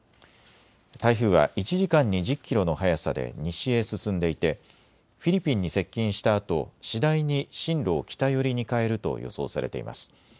台風は１時間に１０キロの速さで西へ進んでいてフィリピンに接近したあと次第に進路を北寄りに変えると予想されています。